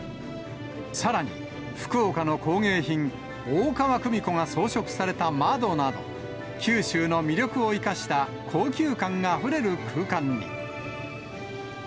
さらに、福岡の工芸品、大川組子が装飾された窓など、九州の魅力を生かした高級感あふれる空間に。